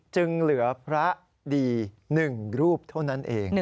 จึงเหลือพระดี๑รูปเท่านั้นเอง